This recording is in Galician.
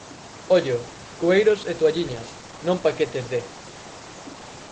Ollo, cueiros e toalliñas, non paquetes de.